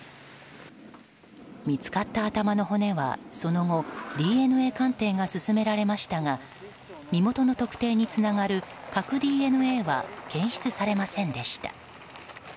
見つかった頭の骨はその後、ＤＮＡ鑑定が進められましたが身元の特定につながる核ＤＮＡは検出されませんでした。